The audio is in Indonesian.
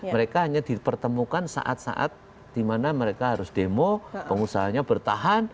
mereka hanya dipertemukan saat saat di mana mereka harus demo pengusahanya bertahan